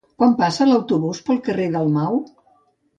Quan passa l'autobús pel carrer Dalmau?